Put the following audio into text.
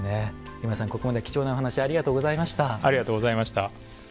今井さん、ここまで貴重なお話ありがとうございました。